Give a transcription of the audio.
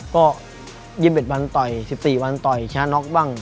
ก็๒๑วันต่อย๑๔วันต่อยช้าน็อกบ้าง